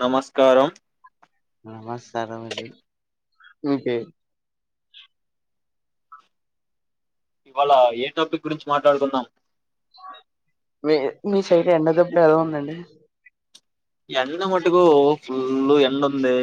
నమస్కారం. నమస్కారం అండి ఇంకే. ఇవాళ్ళ ఏ టాపిక్ గురించి మాట్లాడుకుందాం. మీ మీ సైడ్ ఎండ దబ్బు ఎలా ఉంది అండి. ఎండ మటుకు ఫుల్ ఎండ ఉంది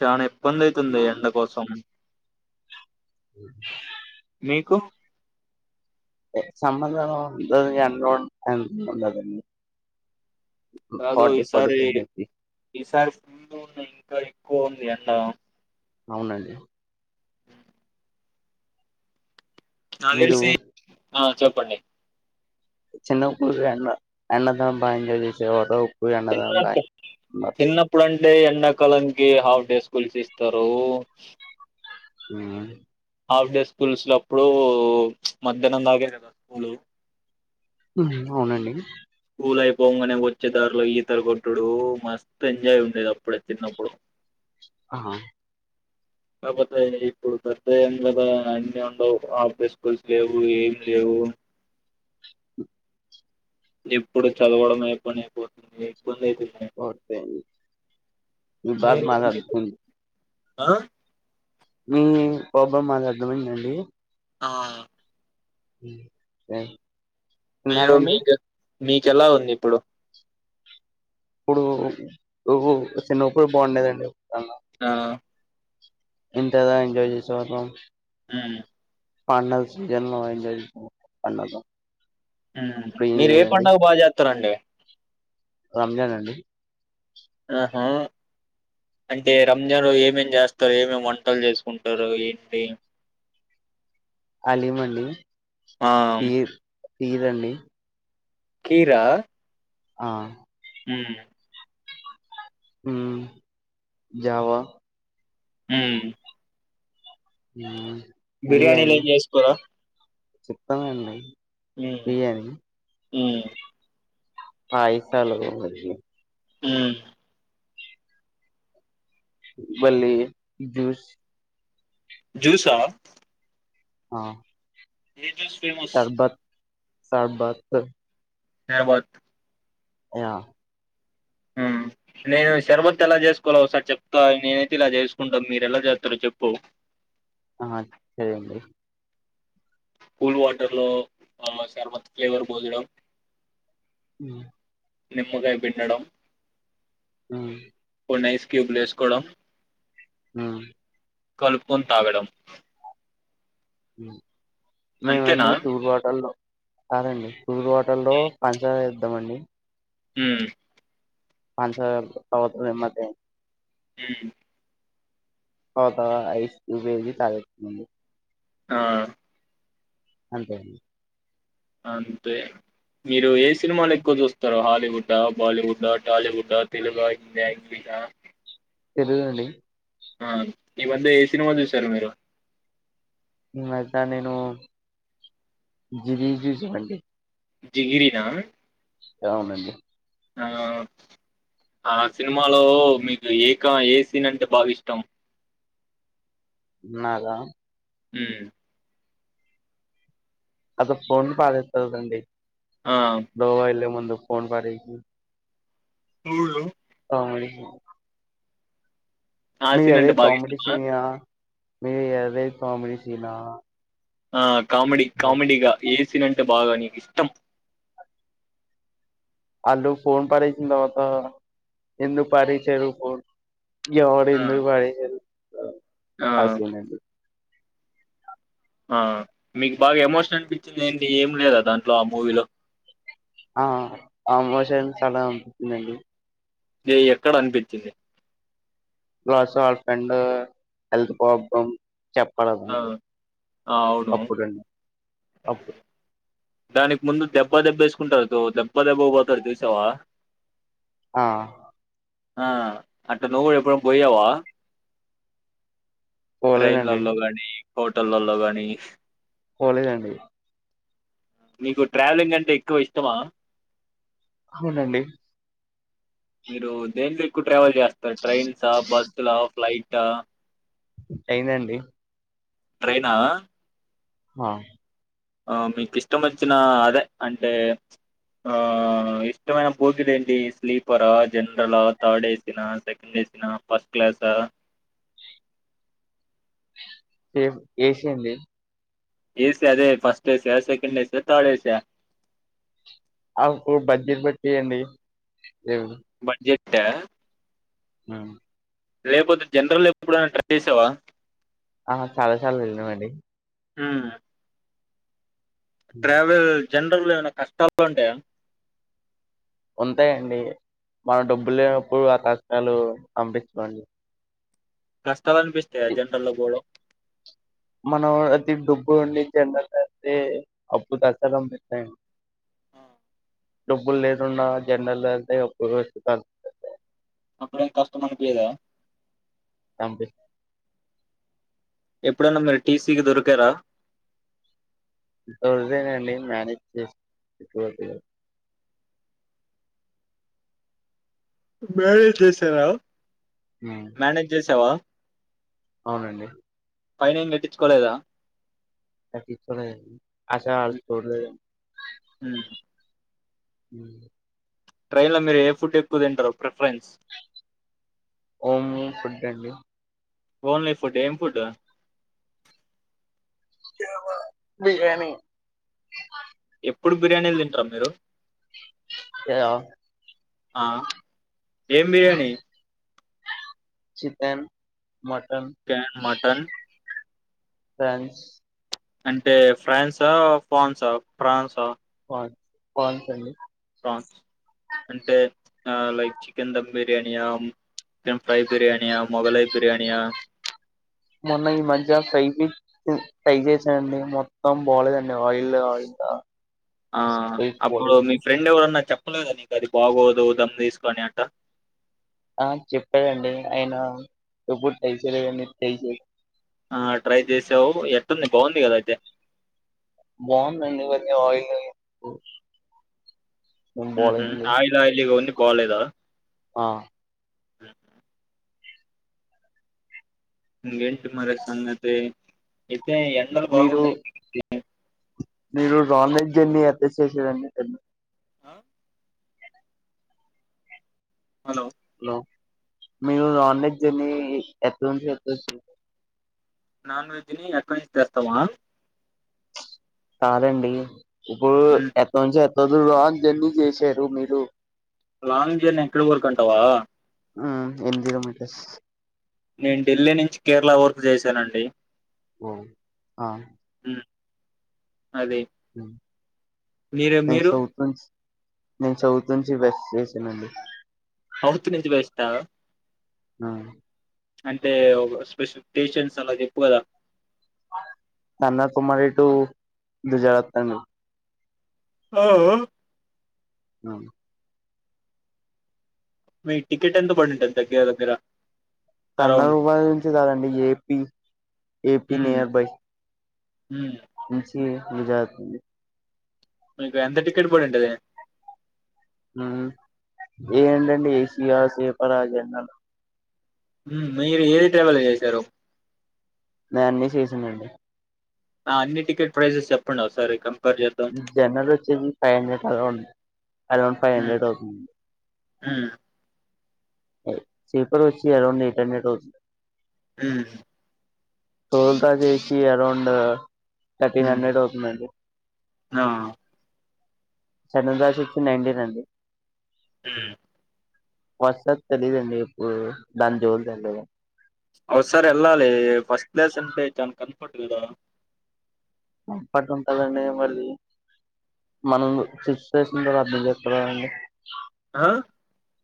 ఫ్యాన్. ఇబ్బంది అవుతుంది ఎండ కోసం. మీకు. సమ్మర్ ఎండ ఉండ్ ఎండ ఉండాదు. రాదో ఈసారి ఈసారి ఫుల్ ఉన్నాయి ఇంకా ఎక్కు కువుంది ఎండ అవునండి మీరు నాదెలిసి ఆ చెప్పండి చిన్నపుడు ఎండ ఎండ కాలం బాగా ఎంజాయ్ చేసేవారో చిన్నప్పు చిన్నప్పుడంట డే ఎండాకాలనికి హాఫ్ డేస్కుల్స్ ఇస్తారు మ్మ్ హాఫ్ డే స్కూల్స్ లో అప్పుడు మధ్యాహ్నం దాగే కదా స్కూల్ హ్మ్ అవునండి స్కూల్ అయిపోగానే వచ్చే దారిలో ఈతలు కొట్టుడు మస్తు ఎంజాయ్ ఉండేది అప్పుడ చిన్నప్పుడు ఆ కాకపోతే ఇప్పుడు పెద్ద ఏం కదా అన్నీ ఉండవు ఆప్డే స్కూల్స్ లేవు ఏమి లేవు ఇప్పుడు చదవడం ఏ పని అయిపోతుంది ఇబ్బంది అయితుంది ఓర్ పెన్ మీ బాధ మీరు మాకు అర్థం మీకు అయింది ఆ హ్మ్ బాబామ్ మాది అర్థం అయిందా అండి ఆ హ్మ్ మీరు మీకన్ మీకెలా ఉంది ఇప్పుడు ఇప్పుడు డు చిన్నపుడె బాగుండేదండి ఆ ఎంతగా ఎంజాయ చేసే వాళ్ళం హ్మ్ పండగ సీజన్లో ఎంజాయ్ చేసే పండగ ఇప్పుడు హక్కు ఏం మీరు ఏ లేదండి పండగ బాగా చేస్తారండి రంజాన్ అండి ఆహా అంటే రంజాన్ ఏమేమి చేస్తారు ఏమేమి వంటలు చేసుకుంటారు ఏంటి అలీమ్ ఆ పీర్ పీర్ అండి కీరా ఆ హ్మ్ హ్మ్ జవా హ్మ్ హ్మ్ బిర్యానీలు ఏం చేసుకోరా చెప్తా అండి బిర్యానీ హ్మ్ పైసలు ఓ హ్మ్ బల్లీ జూస్ జ్యూస్ ఆహ్ ఆ ఎ ఫేమస్ సాబత్ క్యా బాత్ యా నేను సర్భత్ ఎలా చేసుకోలో ఒకసారి చెప్తా నేనైతే ఇలా చేసుకుంటాం మీరు ఎలా చేస్తారో చెప్పు ఆ సరే అండి కూల్ వాటర్ లో ఆ సర్భత్ ఫ్లేవర్ పోయడం హ్మ్ నిమ్మకాయ పిండడం హు నైస్ క్యూబ్లు వేసుకోవడం ఆ కలుపుకొని తాగడం [inaudible] అంతేనా మేమండి తుబాటల్లో అదండీ కూల్ వాటర్ లో పంచదార ఎత్తమండి హ్మ్ పంచదార తరువాత నిమ్మకాయి హు అత ఐస్ క్యూబ్ ఏసీ తగిళ్లూ ఆ అంతే అండి అంతే మీరు ఏ సినిమాలు ఎక్కువ చూస్తారో హాలీవుడ్డా బాలీవుడ్డా టాలీవుడ్డా తెలుగా హిందా ఇంగ్లీషా తెలుగండి ఆ ఈ మధ్య ఏ సినిమా చూసారు మీరు మద నేను [unintelligible] చూసమండి జిగిరినా అవునండి ఆ ఆ సినిమాలో మీకు ఏకా ఏ సీన్ అంటే బాగా ఇష్టం నాదా హ్మ్మ్ అది ఫొన్ పడేతాడండీ ఆ గోవా ఏల్లే ముందు ఫోన్ పడేసి పుల్లో అవును ఆ మీ సీన్ అంటే దాదాయు బాగా [unintelligible] ఇష్టమా? సియా మీరు అనేది కామెడీ సీన్ ఆహ్ ఆ కామెడీ కామెడీగా ఏ ఇసినంటే బాగా నీకు ఇష్టం అళ్లుు ఫోన్ పరేసిన తర్వాత ఎందుకు పారేశారు ఫోన్ ఎవడు ఆ! ఎందుకు పడేశారు ఆ! [inaudible] [unintelligible] ఆ మీకు బాగా ఎమోషన్ అనిపించింది ఏంటి ఏం లేదా దాంట్లో ఆ మూవీలో ఆ ఆమోశ చాలా అని ఏ ఎక్కడ అనిపించింది [unintelligible] ఆ ఫ్రెండు హెల్త్ ప్రాబ్లమ్ చెప్పాడం ఆ! ఆ! అవును. అప్పుడండి అప్ దానికి ముందు దెబ్బ దెబ్బ వేసుకుంటారు తో దెబ్బ దెబ్బ పోతారు చూసావా ఆ ఆ అట్ట నువ్వు కూడ ఎప్పుడన్నా పొయ్యవా పోలేదండి ట్రైన్లలో గాని హోటల్లో గానీ పోలేదండి మీకు ట్రావెలింగ్ అంటే ఎక్కువ ఇష్టమా అవునండి మీరు దేన్లో ఎక్కువ ట్రావెల్ చేస్తారు ట్రైన్సా బస్ లా ఫ్లైయిట్ ఇంట [unintelligible] అయిందండి ట్రైనా ఆ ఆ మీకు ఇష్టం వచ్చిన అదే అంటే ఆ ఇష్టమైన బోగీ ఏంటి స్లీపరా జనరలా థర్డ్ వేసినా సెకండ్ వేసినా ఫస్ట్ క్లాసా సేఫ్ ఏసీ అండి ఏసి అదే ఫర్స్ట్ ఎసి అ సెకండ్ ఎసి అ థర్డ్ ఎసి అ ఆ అపుడు బడ్్జెట్ బట్టి అండి ఏ బట్టా అ లేకపోతే జనరల్ ఎప్పుడైనా ట్రై చేసావా ఆ చాలా చాలా వెళ్ళినమ్ అండి ఆ ట్రావెల్ జనరల్ లొ ఏమైనా కష్టాలు ఉంటాయా ఉంటాయంండి మనం డబ్బు లేనప్పుడు ఆ కష్టాలు పంపించుకోండి కస్త [unintelligible] చలా [unintelligible] అనిపిస్తాయా జెనరేల్లో కూడా మనం అది డబ్బులు ఉండి జనరలు లొ అయితే అప్పు దసలుం [unintelligible] పెస్తాయి ఆ. డబ్బులు లేనున్నా జన్నలు అతే అప్పు వాయి అప్పుడేం కష్టం అనిపీయదా అనిపిస్త ఎప్పుడన్నా మీరు టీసీకి దొరికారా లేదండి మేనేేజ్ చేసిన దొరకలేదు మేనేజ్ చేసావా హ్మ్. మేనేజ్ చేసావా అవునండి ఫైన్ ఏం కట్టించుకోలేదా చకీ చ అస చర [unintelligible] ఉమ్. హ ట్రైన్ లో మీరు ఏ ఫుడ్ ఎక్కువ తింటరు ప్రిఫరెన్స్ హోమ్ ఫుడ్ అండి ఓన్లీ ఫుడ్ ఏం ఫడ్ బిర్యానీ ఎప్పుడు బిర్యానీలు తింట్రా మీరు ఏ అ ఆ ఏం biryani chicken mutton chicken mutton prawns అంటే ప్రన్సా ఫాన్సా ఫ్రాన్సా కోన్స్ అండి ప్రాన్స్, అంటే ఆ లైక్ చికెన్ దమ్ బిర్యానియా, కెన్ ఫ్రై బిర్యానియా మొఘలై బిర్యానియ మొన్న ఈ మధ్య ఫ్రై పీస్ టై చేస్నా అండి మొత్తం బాలేదండి ఆయిల్ ఆయిల్ త ఆ అప్పుడు మీ ఫ్రెండ్ ఎవరన్నా చెప్ ప్పలేద నీకది బాగోదు ధూమ్ తీసుకని అట్ట ఆ చెప్పరండి ఐన, ఎప్పుడు టేస్ చేలేదండి తేస్ చే ఆ ట్రై చేసావు ఎట్టుంది బావుంది కదా అయితే బావుందండి కొంచం ఆయిలే క్కు హుహు, ఆయిల్ ఆయిలిగ ఉంది. బాలేదా ఆ హు ఇంగేంటి మరి సంగతి తే ఎండలు మీరు బావున్నాయ్. మీరు నాన్ వెజ్ జెన్ని ఎత్త చేసరండి ఎత ఆ హలో మీరు రాన్ వెజ్జన్ని ఎత్త్నుంచి ఎత్ [unintelligible] నాన్ వెజ్జ్ ని ఎక్కన్నుంచి తెస్తావా. కాదండి ఇప్పురు హ్మ్. ఎత్తంచి ఎ చదురాన్ జన్ని చేశారు మీరు లాంగ్ జర్నీ ఎక్కడ్ వరక అంటావా. హు, ఎన్ జీరోమీటర్స్ నేన్ ఢిల్లీ నించ్ కేరళ వర్క్ చేశానండి ఓ ఆ హు అదే, ఉమ్. మీరె మీరు నేన్ సౌత్ ఉంచి వెస్ చేసనండి. సౌత్ నుంచి వెస్టా ఆ అంటే ఓక స్పెసి కేషన్స్ అలా చెప్ప్ కదా కన్యాకుమారి టూ గుజరాత్ అండి ఆ ఆ అవును మీ టికెట్ ఎంత పడింటది దగ్గర దగ్గర అరౌండ్ కన్నకుమారి నుంచి కాదండి ఏపీ ఏపీ నియర్ బై మ్మ్ ఇంచి విజాగ్ కి మీకు ఎంత టికెట్ పడింటది మ్మ్ ఏందండి ఏసి యా స్లీపరా జన్ రలు మ్మ్ మీరు ఏది ట్రావెల్ చేశారు నే అన్ని చేసిన్ని అండి ఆ అన్ని టికెట్ ప్రైసెస్ చెప్పండి ఒసారి కన్ జనరల్ వచ్చేది five hundred around around five hundred అవుతుంది ఉమ్ స్లీపర్ వచ్చి అరౌండ్ ఎయిట్ హండ్రెడ్ అవుతుంది హ్మ్ సోల్గా చేసి అరౌండ్ థర్టీన్ హ్మ్. హండ్రెడ్ అవుతుందండి ఆ సెకండ్ క్లాస్ వొచ్చి నైన్టీన్ అండి ఉమ్ పస్ట్ క్లాస్ తెలీదండి ఎప్పుడు దాని జోలికి ఎల్లలే ఒకసారి ఎల్లాలి అ ఫస్ట్ క్లాస్ అంటే చాన కంఫర్ట్ కదా కన్పట్ ఉంటదండి మళ్ళీ మనం సిప్ట్ చేసిన తర్వాత ఏం చేత్తా మండి ఆ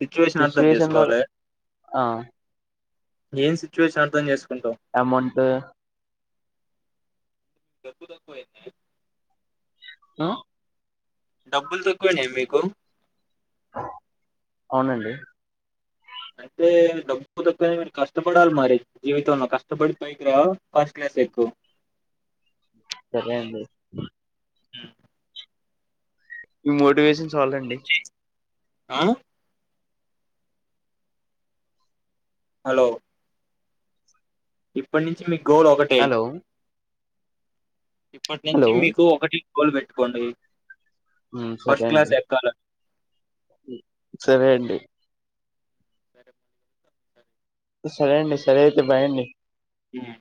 సిచ్యువేషన్ అర్థం చేసుకోవాలి ఆ ఏం సిచ్యువేషన్ అర్థం చేసుకోవాలి ఎమంటే డబ్బు తక్కువయిందీ ఆ డబ్బులు తక్కువైనయ మీకు అవునండి అంటే డబ్బు తక్కువ కష్టపడాలి మరి జీవితంలో కష్టపడి పైకి రా ఫస్ట్ క్లాస్ ఎక్కు సరే అండి హ్మ్ మోటివేషన్ చాలండి ఆ హలో ఇప్పటి నుంచి మీకు గోల్ ఒకటే హలో ఇప్పటి నుంచి హలో మీకు ఒకటి గోల్ పెట్టుకోండి సరే ఫస్ట్ క్లాస్ అండి ఎ కాల సరే అండి సరే అండి సరే అయితే బాయండి హ్మ్